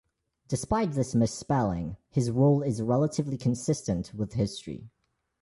Despite this misspelling, his role is relatively consistent with history.